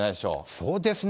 そうですね。